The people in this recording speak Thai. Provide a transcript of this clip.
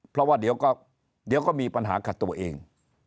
เพราะว่าเดี๋ยวก็มีปัญหากับตัวเอง